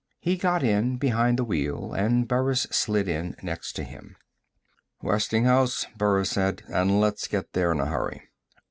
He got in behind the wheel and Burris slid in next to him. "Westinghouse." Burris said. "And let's get there in a hurry."